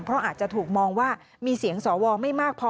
เพราะอาจจะถูกมองว่ามีเสียงสวไม่มากพอ